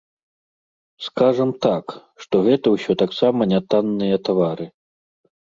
Скажам так, што гэта ўсё таксама не танныя тавары.